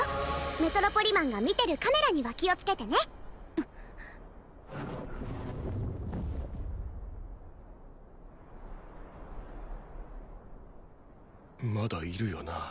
メトロポリマンが見てるカメラには気をつけてねまだいるよな？